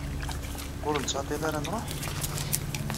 Ur nettɛeṭṭil ara ad nruḥ?